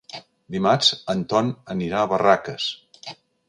Dimarts en Ton anirà a Barraques.